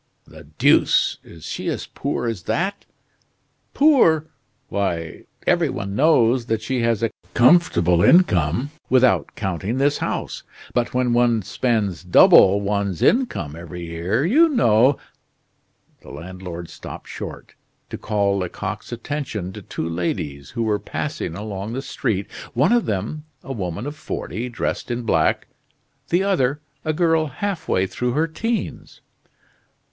"The deuce! Is she as poor as that?" "Poor! Why, every one knows that she has a comfortable income, without counting this house. But when one spends double one's income every year, you know " The landlord stopped short, to call Lecoq's attention to two ladies who were passing along the street, one of them, a woman of forty, dressed in black; the other, a girl half way through her teens.